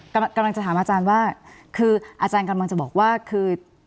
กำลังจะถามอาจารย์ว่าคืออาจารย์กำลังจะบอกว่าคือ